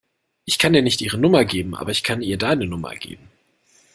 Ich kann dir nicht ihre Nummer geben, aber ich kann ihr deine Nummer geben.